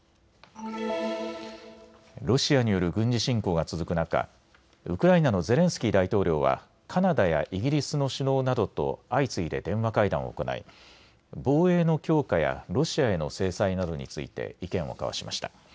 ロシアによる軍事侵攻が続く中、ウクライナのゼレンスキー大統領はカナダやイギリスの首脳などと相次いで電話会談を行い、防衛の強化やロシアへの制裁などについて意見を交わしました。